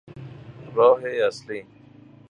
راه اصلی